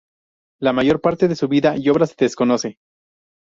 La mayor parte de su vida y obra se desconoce.